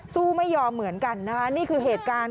ไม่ยอมเหมือนกันนะคะนี่คือเหตุการณ์